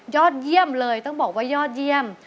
ยอดเยี่ยมเลยต้องบอกว่ายอดเยี่ยม